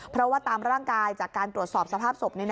เพราะว่าตามร่างกายจากการตรวจสอบสภาพศพ